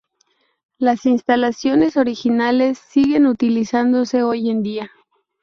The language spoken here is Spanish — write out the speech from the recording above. Las instalaciones originales siguen utilizándose hoy en día.